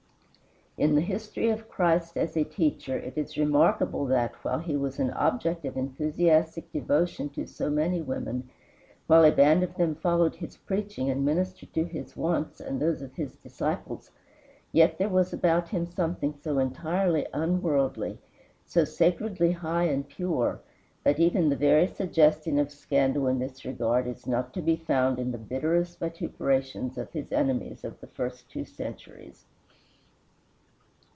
In the history of Christ as a teacher, it is remarkable that, while he was an object of enthusiastic devotion to so many women, while a band of them followed his preaching and ministered to his wants and those of his disciples, yet there was about him something so entirely unworldly, so sacredly high and pure, that even the very suggestion of scandal in this regard is not to be found in the bitterest vituperations of his enemies of the first two centuries.